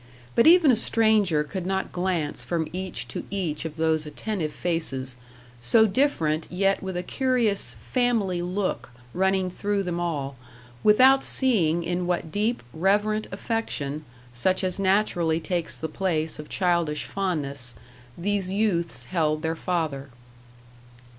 But even a stranger could not glance from each to each of those attentive faces, so different, yet with a curious "family look" running through them all, without seeing in what deep, reverent affection, such as naturally takes the place of childish fondness, these youths held their father.